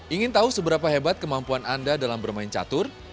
ingin tahu seberapa hebat kemampuan anda dalam bermain catur